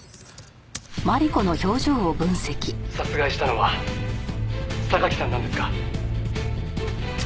「殺害したのは榊さんなんですか？」